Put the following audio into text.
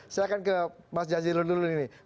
silahkan ke mas jajilul dulu nih